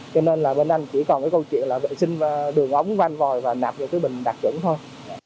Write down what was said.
cho nên là bên anh chỉ còn cái câu chuyện là vệ sinh đường ống van vòi và nạp vào cái bình đặc chuẩn thôi